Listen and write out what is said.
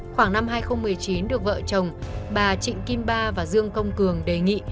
khoảng năm hai nghìn một mươi chín được vợ chồng bà trịnh kim ba và dương công cường đề nghị